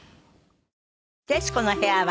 『徹子の部屋』は